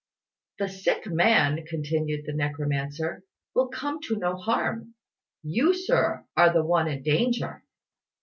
"The sick man," continued the necromancer, "will come to no harm; you, Sir, are the one in danger."